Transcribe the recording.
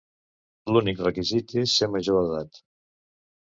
L’únic requisit és ser major d’edat.